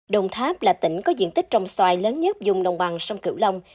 đồng tháp là tỉnh có diện tích trồng xoài lớn nhất dùng nồng bằng sông cựu long